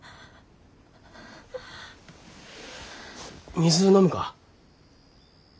水飲むか？